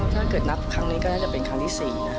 ถ้าเกิดนับครั้งนี้ก็น่าจะเป็นครั้งที่๔นะ